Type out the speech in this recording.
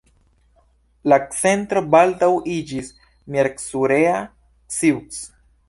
La centro baldaŭ iĝis Miercurea Ciuc.